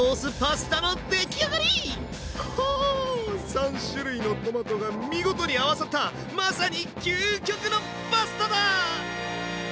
３種類のトマトが見事に合わさったまさに究極のパスタだ！